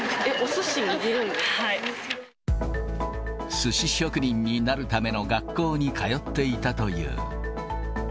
すし職人になるための学校に通っていたという。